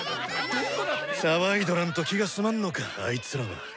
騒いどらんと気が済まんのかアイツらは。